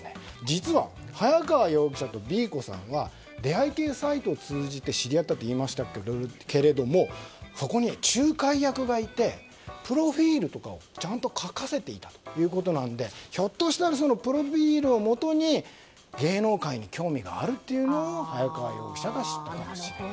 実は、早川容疑者とＢ子さんは出会い系サイトを通じて知り合ったと言いましたけどもそこには仲介役がいてプロフィールとかをちゃんと書かせていたということなのでひょっとしたらそのプロフィールをもとに芸能界に興味があるというのを早川容疑者が知ったのかもしれない。